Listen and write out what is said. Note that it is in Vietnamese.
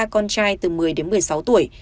ba con trai từ một mươi đến một mươi sáu tuổi